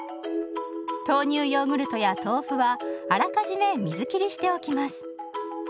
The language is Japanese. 豆乳ヨーグルトや豆腐はあらかじめ水切りしておきます。